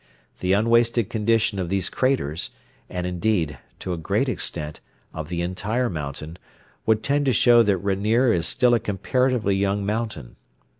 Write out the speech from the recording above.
The unwasted condition of these craters, and, indeed, to a great extent, of the entire mountain, would tend to show that Rainier is still a comparatively young mountain.